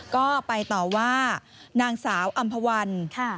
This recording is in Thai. ก็ไปต่อว่านางสาวอำภาวัน